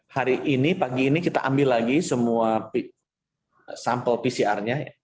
hari ini pagi ini kita ambil lagi semua sampel pcr nya